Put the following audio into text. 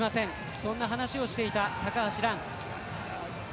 そんな話をしていた高橋藍。